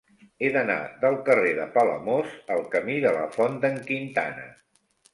He d'anar del carrer de Palamós al camí de la Font d'en Quintana.